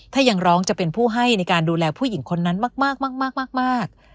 ถ้ายังร้องจะเป็นผู้ให้ในการดูแลผู้หญิงคนนั้นมากมากมากมากมากมาก